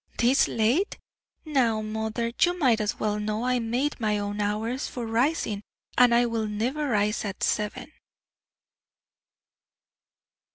"This late? Now, mother, you might as well know I made my own hours for rising, and I will never rise at seven!"